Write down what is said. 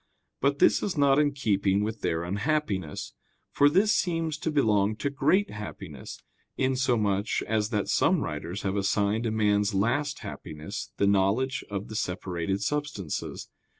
But this is not in keeping with their unhappiness: for this seems to belong to great happiness, insomuch as that some writers have assigned as man's last happiness the knowledge of the separated substances.